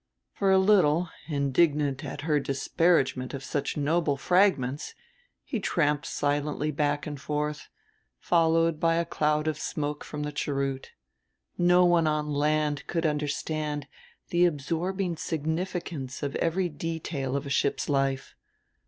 For a little, indignant at her disparagement of such noble fragments, he tramped silently back and forth, followed by a cloud of smoke from the cheroot. No one on land could understand the absorbing significance of every detail of a ship's life....